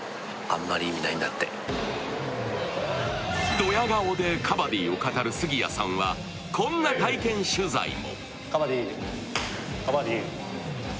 どや顔でカバディを語る杉谷さんは、こんな体験取材も。